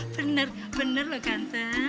benar benar lho ganteng